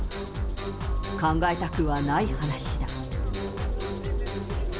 考えたくはない話だ。